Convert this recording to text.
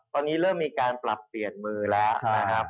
ตอนนี้เริ่มมีการปรับเปลี่ยนมือแล้วนะครับ